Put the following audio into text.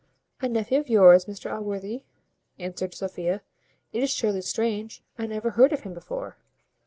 "A nephew of your's, Mr Allworthy!" answered Sophia. "It is surely strange. I never heard of him before."